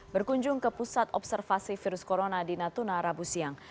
berkunjung ke pusat observasi virus corona di natuna rabu siang